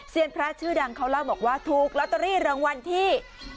พระชื่อดังเขาเล่าบอกว่าถูกลอตเตอรี่รางวัลที่